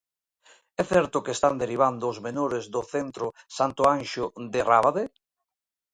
¿É certo que están derivando os menores do centro Santo Anxo de Rábade?